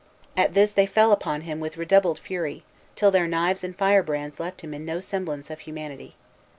At this they fell upon him with redoubled fury, till their knives and firebrands left in him no semblance of humanity.